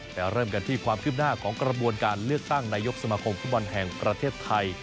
เราเริ่มกันที่ความขึ้นหน้าของการเลือกตั้งนายกสมาคมภูมิวัณแห่งประเทศไทย